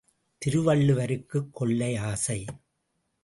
திருவள்ளுவருக்குக் கொள்ளை ஆசை!